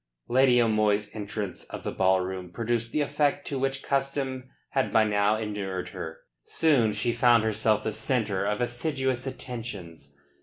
Lady O'Moy's entrance of the ballroom produced the effect to which custom had by now inured her. Soon she found herself the centre of assiduous attentions.